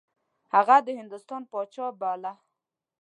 هغه د هندوستان پاچا باله.